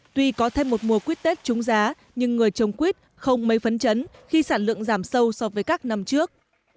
tuy có thêm một mùa quýt tết trúng giá nhưng người trồng quýt không mấy phấn chấn khi sản lượng giảm sâu so với các năm trước